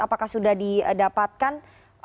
apakah sudah didapatkan